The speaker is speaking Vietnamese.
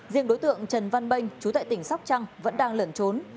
riêng đối tượng trần văn bênh chú tệ tỉnh sóc trăng vẫn đang lẩn trốn